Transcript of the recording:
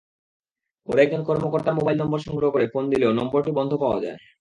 পরে একজন কর্মকর্তার মোবাইল নম্বর সংগ্রহ করে ফোন দিলেও নম্বরটি বন্ধ পাওয়া যায়।